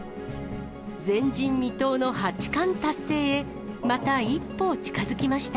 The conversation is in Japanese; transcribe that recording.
前人未到の八冠達成へ、また一歩近づきました。